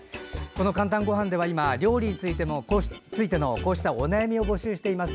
「かんたんごはん」では料理についてのこうしたお悩みを募集しています。